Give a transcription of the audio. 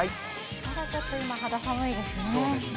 まだちょっと今肌寒いですね。